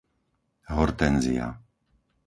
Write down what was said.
Hortenzia